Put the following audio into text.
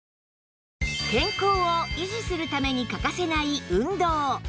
健康を維持するために欠かせない運動